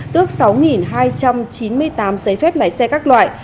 tước sáu hai trăm chín mươi tám giấy phép lái xe các loại